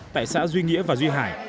tại xã duy nghĩa và duy hải